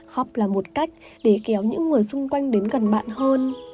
khóc là một cách để kéo những người xung quanh đến gần bạn hơn